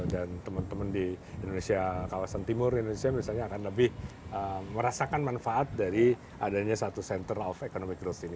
dan temen temen di indonesia kawasan timur indonesia misalnya akan lebih merasakan manfaat dari adanya satu center of economic growth ini